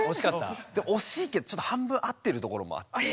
惜しいけど半分合ってるところもあって。